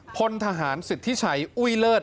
พลทหารสิทธิชัยอุ้ยเลิศ